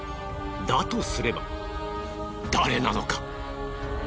だとすれば誰なのか！